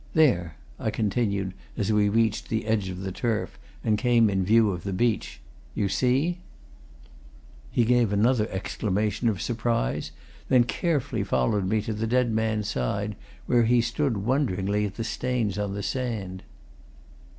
There!" I continued, as we reached the edge of the turf and came in view of the beach. "You see?" He gave another exclamation of surprise: then carefully followed me to the dead man's side where he stood staring wonderingly at the stains on the sand.